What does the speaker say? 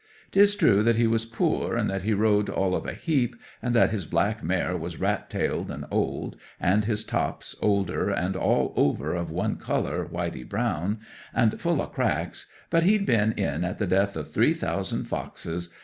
'Tis true that he was poor, and that he rode all of a heap, and that his black mare was rat tailed and old, and his tops older, and all over of one colour, whitey brown, and full o' cracks. But he'd been in at the death of three thousand foxes.